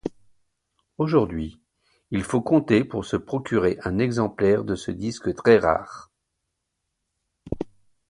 Aujourd'hui, il faut compter pour se procurer un exemplaire de ce disque très rare.